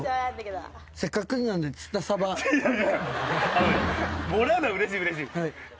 あのねもらうのはうれしいうれしい。